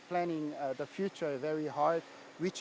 apa yang harus kita gunakan